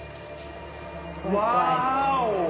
ワーオ！